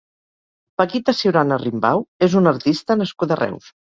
Paquita Ciurana Rimbau és una artista nascuda a Reus.